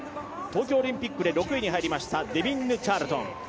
東京オリンピックで６位に入りました、デビンヌ・チャールトン。